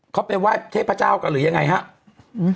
เขาไปไหว้เทพเจ้ากันหรือยังไงครับ